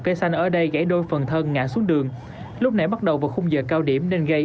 cây xanh ở đây gãy đôi phần thân ngã xuống đường lúc nãy bắt đầu vào khung giờ cao điểm nên gây